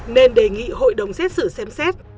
nên đề nghị hội đồng xét xử xem xét